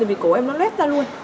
vì cổ em nó lét ra luôn